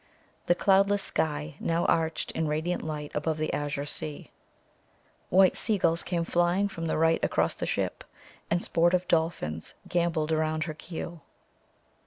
The cloudless sky now arched in radiant light above the azure sea. White seagulls came flying from the right across the ship, and sportive dolphins gambolled around her keel.